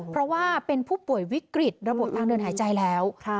เพราะว่าเป็นผู้ป่วยวิกฤตระบบทางเดินหายใจแล้ว